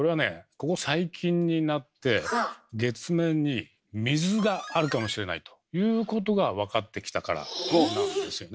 ここ最近になって月面に水があるかもしれないということが分かってきたからなんですよね。